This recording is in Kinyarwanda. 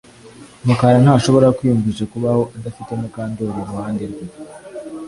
Mukara ntashobora kwiyumvisha kubaho adafite Mukandoli iruhande rwe